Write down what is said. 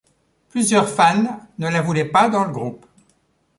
Plusieurs fans ne la voulaient pas dans le groupe.